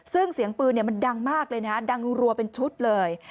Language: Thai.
ซึ่งเสียงปืนมันดังมากเลยนะดังรัวเป็นชุดเลย